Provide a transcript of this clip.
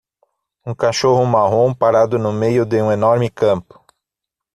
um cachorro marrom parado no meio de um enorme campo.